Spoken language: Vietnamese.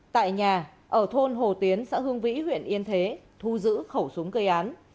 tại nhà ở thôn hồ tiến xã hương vĩ huyện yên thế thu giữ khẩu súng gây án